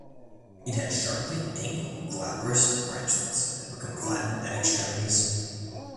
It has sharply angled glabrous branchlets that become flattened at extremities.